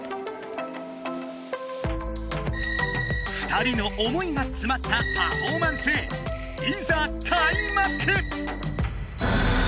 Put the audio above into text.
２人の思いがつまったパフォーマンスいざかいまく！